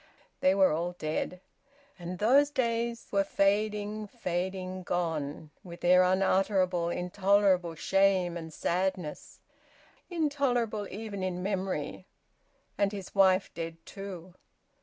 They were all dead. And those days were fading, fading, gone, with their unutterable, intolerable shame and sadness, intolerable even in memory. And his wife dead too!